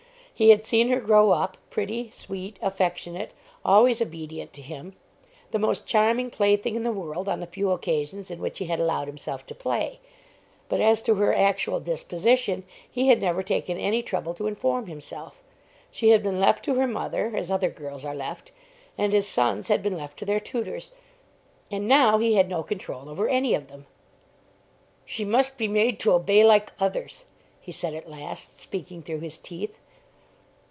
He had seen her grow up, pretty, sweet, affectionate, always obedient to him; the most charming plaything in the world on the few occasions in which he had allowed himself to play. But as to her actual disposition, he had never taken any trouble to inform himself. She had been left to her mother, as other girls are left. And his sons had been left to their tutors. And now he had no control over any of them. "She must be made to obey like others," he said at last, speaking through his teeth.